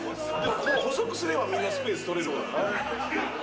細くすればみんなスペース取れるから。